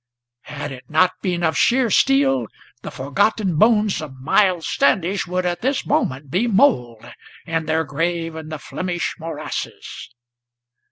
Had it not been of sheer steel, the forgotten bones of Miles Standish Would at this moment be mould, in their grave in the Flemish morasses."